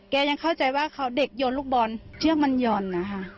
ยังเข้าใจว่าเขาเด็กโยนลูกบอลเชือกมันหย่อนนะคะ